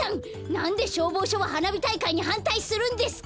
なんでしょうぼうしょははなびたいかいにはんたいするんですか。